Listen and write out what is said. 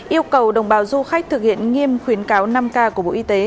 yêu cầu đồng bào du khách thực hiện nghiêm khuyến cáo năm k của bộ y tế